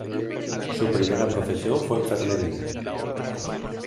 Su primera profesión fue enfermería.